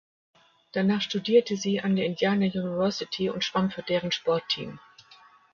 Danach studierte sie an der Indiana University und schwamm für deren Sportteam.